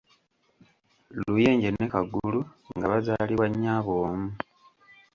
Luyenje ne Kagulu nga bazaalibwa nnyaabwe omu.